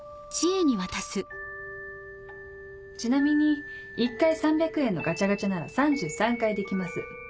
ちなみに１回３００円のガチャガチャなら３３回できます。